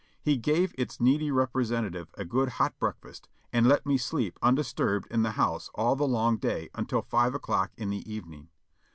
He gave its needy representative a good hot breakfast, and let me sleep undisturbed in the house all the long day until five o'clock in the evening.